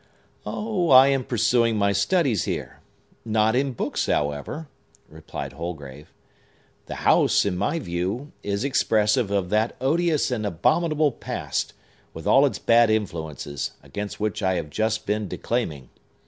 "Oh, I am pursuing my studies here; not in books, however," replied Holgrave. "The house, in my view, is expressive of that odious and abominable Past, with all its bad influences, against which I have just been declaiming.